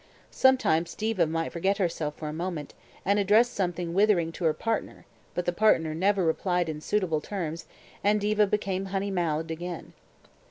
Sometimes Diva might forget herself for a moment, and address something withering to her partner, but the partner never replied in suitable terms, and Diva became honey mouthed again.